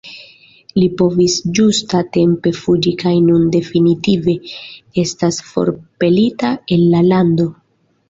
Li povis ĝusta-tempe fuĝi kaj nun definitive estas forpelita el la lando.